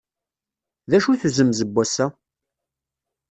D acu-t uzemz n wass-a?